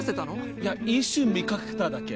いや一瞬見かけただけ。